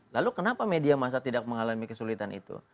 lalu kenapa media masa tidak mengalami kesulitan itu